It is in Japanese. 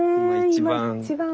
今一番。